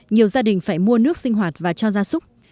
nhiều gia đình phải mua nước sinh hoạt và cho gia súc